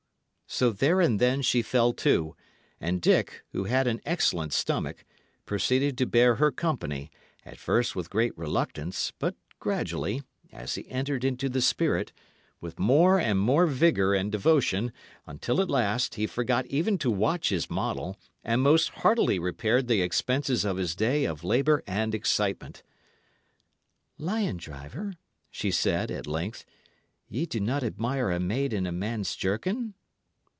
So there and then she fell to; and Dick, who had an excellent stomach, proceeded to bear her company, at first with great reluctance, but gradually, as he entered into the spirit, with more and more vigour and devotion: until, at last, he forgot even to watch his model, and most heartily repaired the expenses of his day of labour and excitement. "Lion driver," she said, at length, "ye do not admire a maid in a man's jerkin?"